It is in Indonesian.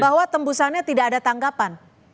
bahwa tembusannya tidak ada tanggapan